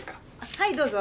はいどうぞ。